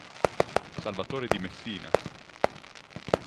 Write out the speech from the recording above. Salvatore di Messina.